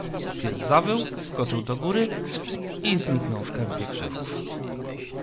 "Pies zawył, skoczył do góry i zniknął w kępie krzewów."